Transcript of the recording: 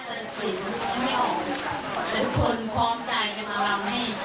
การสนิมและทุกคนพร้อมใจกับอารมณ์ให้